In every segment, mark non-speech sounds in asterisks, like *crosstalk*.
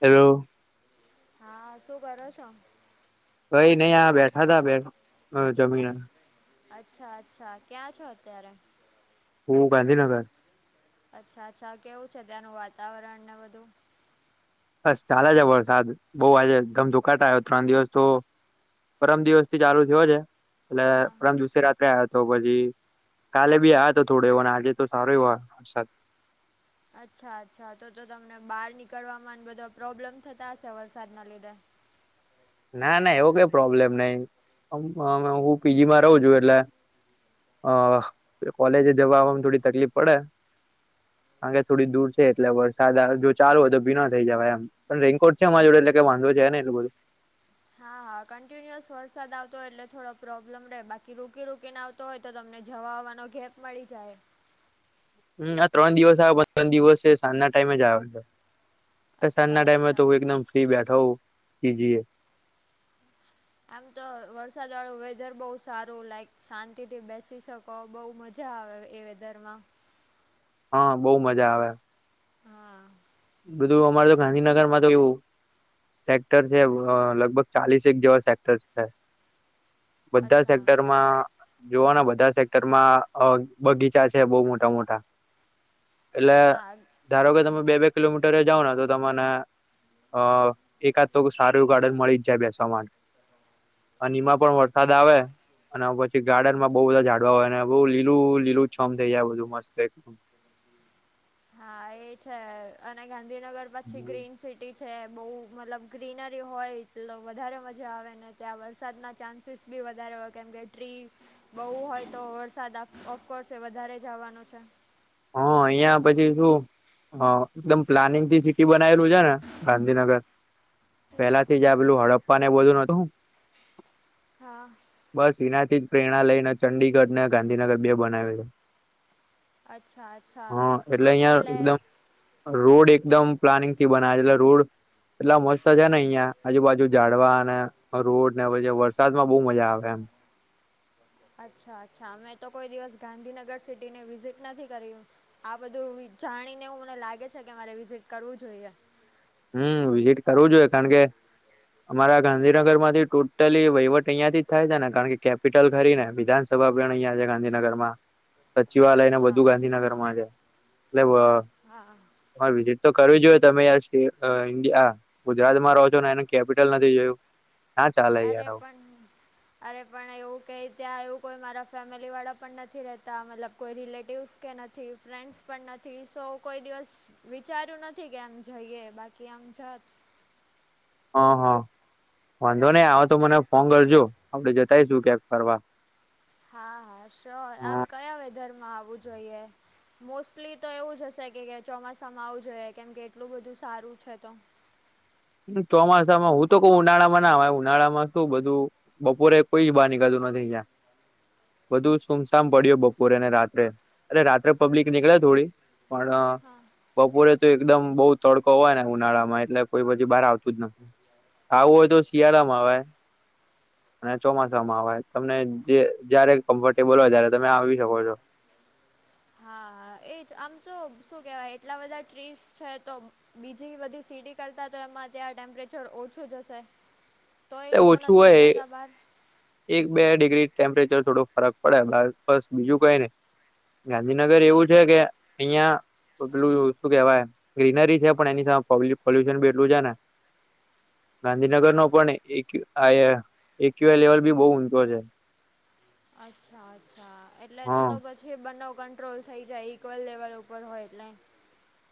Hello. હા શું કરો છો? કઈ નહી આ બેઠા તા ભાઈબંધ જોઙે અ- જમીને. અચ્છા અચ્છા ક્યાં છો અત્યારે? હું ગાંધીનગર. અચ્છા અચ્છા કેવું છે ત્યાંનું વાતાવરણ ને બધું. બસ ચાલે છે વરસાદ બઉ આજે ધમધુકાટ આવ્યો ત્રણ દિવસ તો પરમ દિવસ થી ચાલુ થયો છે, એટલે હા પરમ દિવસે રાત પછી, કાલે બી આવ તો થોડો એવો ને આજે તો સારો એ વરસાદ. અચ્છા અચ્છા તો તો તમને બહાર નીકળવામાં બધા પ્રોબ્લેમ થતા હશે વરસાદના લીધે? ના ના એવો કઈ પ્રોબ્લેમ નઈ હું પીજી માં રહું છુ એટલે. હ કોલેજ જવાવામાં થોડી તકલીફ પડે. કાર કેે થોડી દૂર છે એટલે વરસાદ જો ચાલુ હોય તો ભીનાતો જવા એમ. પણ રેનકોટ છે મારી જોડ એટલે કે વાંધો છે ને એટલુ બધું. હા હા કન્ટિન્યુઅસ વરસાદ આવતો હો એટલે થોડો પ્રોબ્લેમ રહે બાકી રોકી રોકીને આવતો હોય તો તમને જવા આવવાનો ગેપ મળી જાય. હમ આ ત્રણ દિવસ આવે પણ ત્રણ દિવસ છે સાંજના ટાઈમે જ આવે છે. સાંજ અચ્છા ના ટાઈમ અચ્છા. તો હું એકદમ ફ્રી બેઠો હો પીજીએ. આમ તો વરસાદ વાળું વેધર બહુ સારું લાઈક શાંતિ થી બેસી શક બઉ મજા આવે એ વેધરમાં. હા બહુ મજા આવે. હા. બધું અમારે તો ગાંધીનગર માં તો એવું. સેક્ટર છે લગભગ ચાલીસ એક જેવા સેક્ટર છે. બધા અચ્છા સેક્ટરમાં જોવાના બધા સેક્ટરમાં બગીચા છે બઉ મોટા મોટા. એટલે હા ધારો કે તમે બે બે કિલોમીટર જાઓ ને તો તમને અ એકાદ તો સારું ગાર્ડન મળી જ જાય બેસવા માટે. અને એમાં પણ વરસાદ આવે. અને પછી ગાર્ડનમાં બહુ બધા ઝાડવા હોય ને બહુ લીલું લીલું છમ થઈ જાય બધું મસ્ત એકદમ. હા એ છે અને ગાંધીનગર પછી ગ્રીન સિટી છે બહ મતલબ ગ્રીનરી હોય એટ વધારે મજા આવે ને ત્યાં વરસાદના ચાન્સીસ બી વધારે હોય કેમ કે ટ્રી બઉુ હોય તો વરસાદ ઓફકોર્સ એ વધારે જવાનો છે. હા અહિયાં પછી શું. હ એકદમ પ્લાનિંગ થી સિટી બનાયલું છે, ને ગાંધીનગર પેલાથી જ આ પેલું હડપ્પા ને બધુ નોતું. હા. સેનાથી જ પ્રેરણા લઈને ચંડીગઢ ને ગાંધીનગર બે બનાલુ. અચ્છા અચ્છા હા અહિયાં એટલે એકદમ રોડ એકદમ પ્લાનિંગ થી બનાવેલા રોડ એટલા મસ્ત છે ને અહિયાં આજુબાજુ જાડવા અને હ રોડ ને હ વરસાદ માં બહુ મજા આવે એમ. અચ્છા અચ્છા મે તો કોઈ દિવસ ગાંધીનગર સિટીને વિઝિટ નથી કર્યું. આ બધું જાણીને મને લાગે છે કે મારે વિઝિટ કરવું જોઈએ. હમ વિઝિટ કરવું જોઈએ કારણ કે અમારા ગાંધીનગર માંથી ટોટલી વહીવટ અહીં થી જ થાય છે ને કારણ કેપિટલ ખરી ને વિધાનસ સભા પણ અહીંયા છે ગાંધીનગરમાં. સચિવાલય ને હા બધું ગાંધીનગરમાં છે, એટલે હા. વિઝીટ તો કરવી જોઈએ તમે યાર. ઇન્ડિયા ગુજરાતમાં રહો છો ને એનું કેપિટલ નથી જોયું. ના ચાલે અરે યાર આવું પણ અરે પણ એવું ક ત્યાં એવું કોઈ મારા ફેમિલી વાળા પણ નથી રહેતા મતલબ કોઈ રિલેટિવ્સ. કે નથી ફ્રેન્ડ્સ પણ નથી સો કોઈ દિવસ વિચાર્યું નથી કે આમ જઈએ બાકી. કે આજ હા હા. વાંધો નઈ હ તો મને ફોન કરજો આપડે જતાઈશું ક્યાંક ફરવા. હા હા શ્યોર આમ કયા વેધરમાં આવવું જોઈએ? મોસ્ટલી તો એવું જ હશે કે ચોમાસામાં આવું જોઈએ કેમ કે એટલું બધું સારું છે તો. ચોમાસામાં હું તો ક ઉનાળામાં ના આવે ઉનાળા માં શું બધું. બપોરે કોઈ બહાર નીકળતું નથી જ્યાં બધું સુમસામ પડ્યો બપોરેને રાત્રે, અરે રાત્રે પબ્લિક નીકળે થોડી. પણ હા બપોરે તો એકદમ બહુ તડકો હોય ને ઉનાળા માં એટલે કોઈ બધ બહાર આવતું જ નથી આવું હોય તો શિયાળા માં આવે. અને ચોમાસામાં આવેય તમને જે જયારે કમ્ફર્ટેબલ હોય ત્યારે તમે આવી શકો છો. હા હા એજ આમ તો શું કેહેવાય એટલા બધા ટ્રીસ છે તો બીજી બધી સીટી કરતા તો એમાં ત્યાં ટેમ્પરેચર ઓછું જશે. એ ઓછું હોય. બહાર એક બે ડિગ્રી ટેમ્પરેચર થોડું ફરક પડે બસ બીજું કઈ નને. ગાંધીનગર એવું છે કે અહિયાં એટલું શું કેવાય ગ્રીનરી છે પણ એની સામે પોલ્યુશન બી એટલું છે ને. ગાંધીનગરનો પણ એક્યુ આયા એક્યુએ લેવલ બી બહુ ઉંચો છે. અચ્છા અચ્છા એટલે તો હા તો બસ. જે બંનેઉ કંટ્રોલ થઈ જાય ઇક્વલ લેવલ ઉપર હોય એટલે.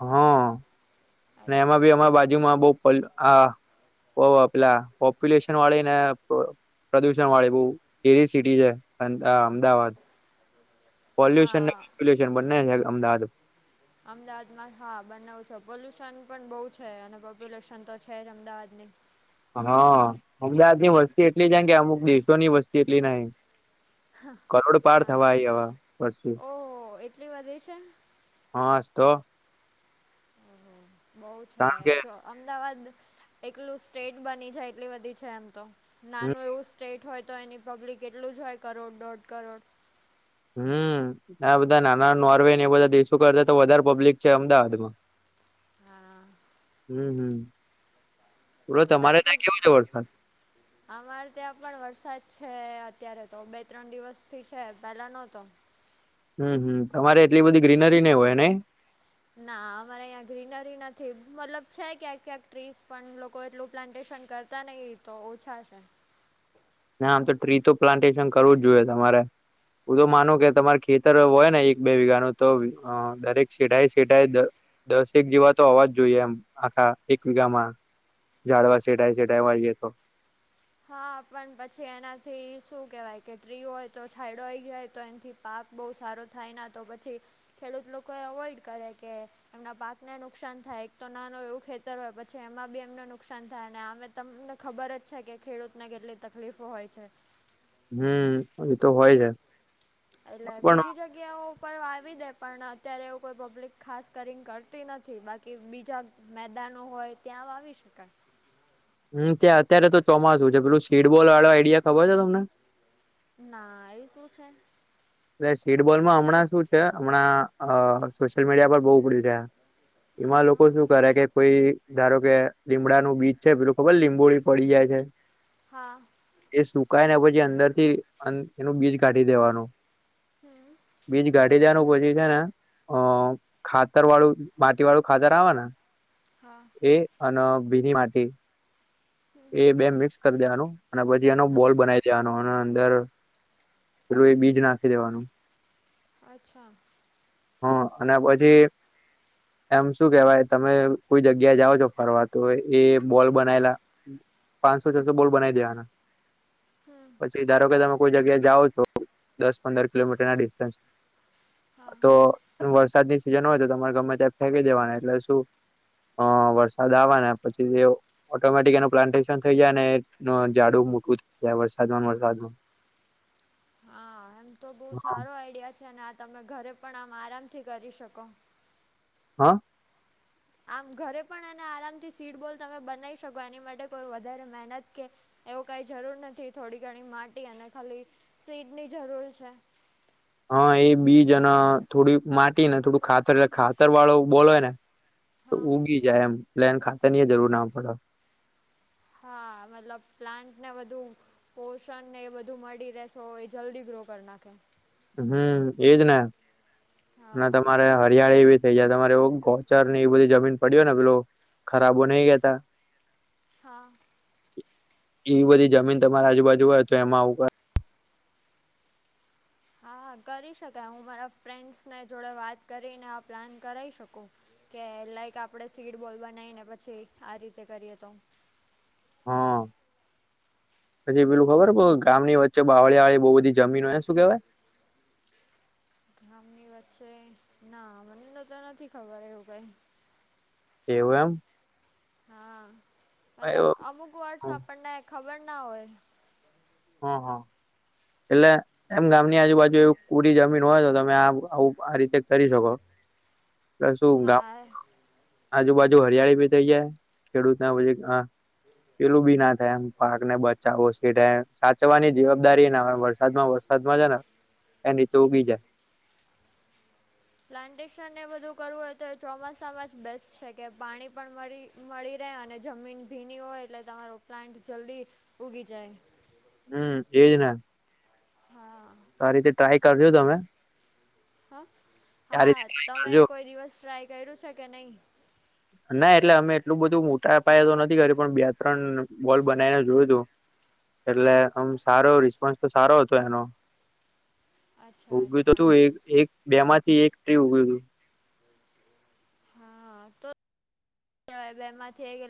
હમ્મ, ને અચ્છા એમાં બી અચ્છા અમારા બાજુમાં બહું *unintelligible* આ બહુ પેલા પોપ્યુલેશન વાળીને *unintelligible* પ્રદુષણ વાળી બહુ એવી સિટી છે અન અમદાવાદ. પોલ્યુશને હા પોપ્યુલેશન બન્ને છે અમદાવાદ. અમદાવાદમાં હા બન્નેઉ છે પોલ્યુશન પણ બહુ છે અને પોપ્યુલેશન તો છે જ અમદાવાદની. હા અમદાવાદ ની વસ્તી એટલી છે ન કે અમુક દેશો ની વસ્તી એટલી નહી. કરોડ પાર થવા આઈ હવ વસ્તી. ઓ એટલે વધે છે. હાસ્તો. ઓહો બહુ છે કારણ કે જો અમદાવાદ એકલું સ્ટેટ બની જાય એટલી બધી છે એમ તો. નાનું એવું સ્ટેટ હોય તો એની પબ્લિક એટલું જ હોય કરોડ દોઢ કરોડ. હમ્મ, આ બધા નાના નોર્વે ને એ બધા દેશો કરતા તો વધારે પબ્લિક છે અમદાવાદ માં. હા હમ્મ, હમ્મ. આમ તો અમારે ત્યાં પણ વરસાદ છે અત્યારે તો બે ત્રણ દિવસ થી છે પેલા ન તો. હમ્મ હમ્મ તમારે એટલી બધી ગ્રીનરી નહી હોય નહી. ના અમારે અહીંયા ગ્રીનરી નથી મતલબ છે ક્યાંક ક્યાંક ટ્રીસ પણ લોકો એટલું પ્લાન્ટેશન કર તા નહી તો ઓછા છે. ના આમ તો ટ્રી તો પ્લાન્ટેશન કરવું જ જોઈએ તમારે. હું તો માનું કે તમારે ખેતર હોય ને એક બે વીઘાનું તો અ દરેક શેઢાએ શેઢાએ દ દસેક જેવા તો હોવા જ જોઈએ એમ આખા એક વિઘામાં. ઝાડવા શેઢાએ શેઢાએ વાઇએ તો. હા પણ પછી એનાથી શું કહેવાય કે ટ્રી હોય તો છાંયડો આઈ ગયો હોય તો એનથી પાક બહુ સારો થાય ના તો પછી ખેડૂત લોકો એ અવોઈડ કરે કે એમના પાકને નુકસાન થાય એક તો નાનું એવું ખેતર હોય પછી એમાં બી એમને નુકસાન થાય અને અમે તમને. ખબર જ છે કે ખેડૂતને કેટલી તકલીફો હોય છે. હમ્મ એતો હોય છે. એટલે પણ બીજી જગ્યાઓ પણ વાવી દે પણ અત્યારે એવું કોઈ પબ્લિક ખાસ કરીને કરતી નથી. બાકી બીજા મેદાનો હોય ત્યાં વાવી શકાય. હમ ત્યાં અત્યારે તો ચોમાસું છે પેલું સીડબોલ વાળો આઈડિયા ખબર છે તમને? ના, એ શું છે? એટલે સીટબોલમાં હમણાં શું છે હમણાં અ સોશિયલ મીડિયા પર બહુ ઉપડ્યું છે. એમાં લોકો હા શું કરે કે કોઈ ધારો કે લીમડાનું બીજ છે પેલું ખબર લીંબોડી પડી જાય છે. હા. એ સુકાય ને પછી અંદર થી એનું બીજ કાઢી દેવાનું. હમ્મ. બીજ કાઢી દેવાંનું પછી છે ને. અ ખાતરવાળું માટી વાળું ખાતર આવે ને. હા. એ અન ભીની માટી. હમ એ બે મિક્સ કરી દેવાનું અને પછી એનો હા બોલ બનાવી દેવાનું અને, અંદર એ બીજ નાખી દેવાનું. અચ્છા. હા, અને પછી એમ શું કેવાય તમે કોઈ જગ્યા જાઓ છો ફરવા તો એ બોલ બનાયેલા પાંચસો છસો બોલ બનાવી દેવાના, હમ પછી ધારો કે તમે કોઈ જગ્યા જાઓ છો દસ પંદર કિલોમીટર ના ડિસ્ટન્સ હા તો વરસાદની સીઝન હોય તો તમારે ગમે તેમ ફેંકી દેવા એટલે શું. હ વરસાદ આવવા ને પછી ઓટોમેટિક એનો પ્લાન્ટેશન થઈ જાય ને જાડુ મોટું થઈ જાય વરસાદ વરસાદ. હા, એમ તો બહુ હા સારો આઈડિયા છે અને આ તમે ઘરે પણ આમ આરામથી કરી શકો. હા. આમ ઘરે પણ અને આરામથી સીટ બોલ તમે બનાવી શકો એની માટે કોઈ વધારે મહેનત કે એવું કઈ જરૂર નથી. થોડી ઘણી માટી અને ખાલી, સીડ ની જરૂર છે. હા, એ બીજ અને થોડી માટી ને થોડું ખાતર એટલે ખાતર વાળો બોલ હોય ને. તો હા ઉગી જાય એમ પ્લેન ખાતર નીય જરૂર ના પડે. હા, મતલબ પ્લાન્ટ ને બધુ. પોષણ ને એ બધું મળી રહેતો હોય એ જલ્દી ગ્રો કરી નાખે. હમ એજ ને, અને હા તમારે હરિયાળી એવી કે જ્યાં તમારે ગૌચર ને એ બધી જમીન પડ્યો ને પેલો ખરાબો નઇ હતા. હા. એ બધી જમીન તમારી આજુબાજુ હોય તો એમાં આવું કર હા! હા! કરી શકાય હું મારા ફ્રેન્ડ્સને જોડે વાત કરીને આ પ્લાન કરાઈ શકું. કે લાઈક આપડે સીડ બોલ બનાવીને પછી આ રીતે કરીએ તો. હા. પછી પેલું ખબર ગામની વચ્ચે બાવળિયા વાળી બો બધી જમીન હોય શું કેવાય? ગામની વચ્ચે ના મને તો નથી ખબર એવું કઈ. એવું એમ. હા, મતલબ અમુક વર્ડસ આપણને ખબર ના હોય. હા હા એટલે એમ ગામની આજુબાજુ એવું ઉડી જમીન હોય તો તમે આ આવું આ રીતે કરી શકો, કે શું ગામ હા આજુબાજુ હરિયાળી ભી થઇ જાય, ખેડૂતના પેલું બી ના થાય એમ પાકને બચાવો છે તેમ. સાચવવાની જવાબદારીને વરસાદ માં વરસાદ માં છે ને એ નીચે ઉગી જાય. પ્લાન્ટેશનને બધું કરવું હોય તો ચોમાસામાં જ બેસ્ટ છે કે પાણી પણ મળી મળી રહે અને જમીન ભીની હોય એટલે તમારો પ્લાન્ટ જલ્દી ઉઊગી જાય. હમ એ દના હા. તો આ રીતે ટ્રાય કરજો તમે. હા આ રીતે હા ટ્રાય તમે કરજો કોઈ દિવસ ટ્રાય કર્યું છે કે નહી્? ના એટલે અમે એટલું બધું મોટા અપાય તો નથી કરી પણ બે ત્રણ બોલ બનાવીને જોયું હતું. એટલે આમ સારો રિસ્પોન્સ તો સારો હતો એનો. અચ્છા ઉગ્યું તો અચ્છા તું એક એક બે માંથી એક ટ્રી ઉગયું હતું. હા તો બેમાં થ ગ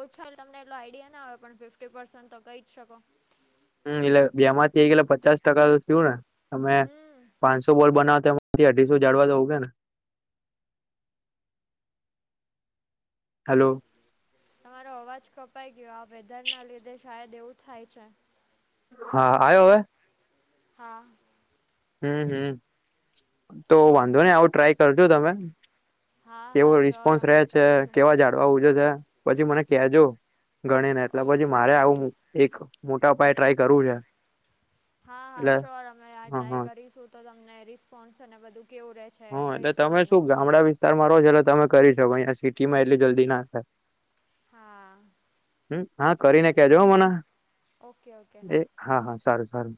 ઓછા એ તમને એટલો આઈડિયા ના આવે પણ ફિફ્ટી પસન્ટ તો કહી જ શકો. હમ્મ એટલે બેમાંથી એટલે પચાસ ટકા તો થયું ને તમે હમ પાંચસો બોલ બનાવતા પછી અઢીસો જાડવા તો ઉગે ને. હલો. તમારો અવાજ કપાઈ ગયો આ વેધરના લીધે શાયદ એવું થાય છે. હા આઓ હવે. હા. હમ્મ હમ્મ તો વાંધો નહી આવું ક- ટ્રાય કરજો તમે. હા કેવો હા શ્યોર રિસ્પોન્સ રહે અમે છે કરીશું કેવા ઝાડવા ઉજે છે. પછી મને કેજો ગણી ને એટલે પછી ઓકે મારે ઓકે આવું એક મોટા પાયે ટ્રાય કરવું છે. હા-હા એટલે શ્યોર અમે આ હ હ ટ્રાય કરીશું તો તમને રિસ્પોન્સ અને બધું કેવું રહે છે હા એટલે કહીશું તમે તમને શું ગામડા વિસ્તારમાં રહો છો એટલે તમે કરી શકો અહીયાં સિટીમાં એટલી જલ્દી ના થાય. હા. હમ્મ હા કરીને કજો હો મને. ઓકે-ઓકે હા. હા-હા સારું-સારું.